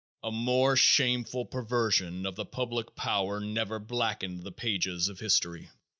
A more shameful perversion of public power never blackened the pages of history.